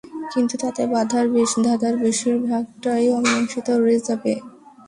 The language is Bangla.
কিন্তু তাতে ধাঁধার বেশিরভাগটাই অমীমাংসিত রয়ে যাবে।